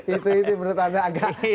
itu itu menurut anda agak